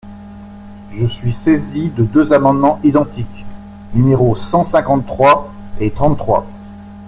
Je suis saisi de deux amendements identiques, numéros cent cinquante-trois et trente-trois.